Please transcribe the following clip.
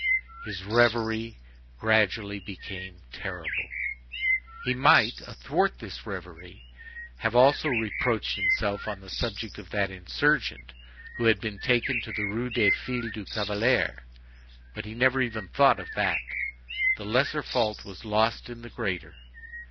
His reverie gradually became terrible. He might, athwart this reverie, have also reproached himself on the subject of that insurgent who had been taken to the Rue des Filles du Calvaire; but he never even thought of that. The lesser fault was lost in the greater.